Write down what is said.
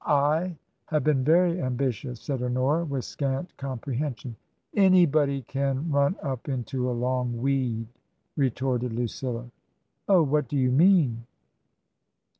'*/ have been very ambitious," said Honora, with scant comprehension. *^ Anybody can run up into a long weed," retorted Lucilla. " Oh, what do you mean